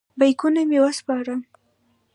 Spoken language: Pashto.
بیکونه مې وسپارم.